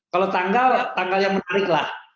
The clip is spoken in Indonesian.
kalau tanggal tanggal yang menarik lah